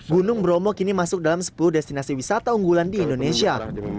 gunung bromo kini masuk dalam sepuluh destinasi wisata unggulan di indonesia